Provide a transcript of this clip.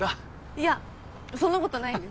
いやそんなことないです。